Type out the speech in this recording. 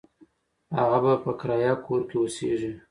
هغه به په کرایه کور کې اوسیږي.